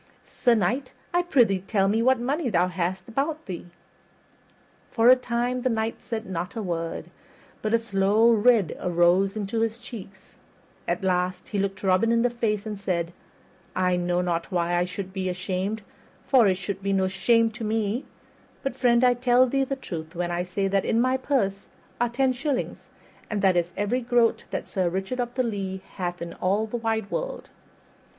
Sir Knight, I prythee tell me what money thou hast about thee." For a time the Knight said not a word, but a slow red arose into his cheeks; at last he looked Robin in the face and said, "I know not why I should be ashamed, for it should be no shame to me; but, friend, I tell thee the truth, when I say that in my purse are ten shillings, and that that is every groat that Sir Richard of the Lea hath in all the wide world."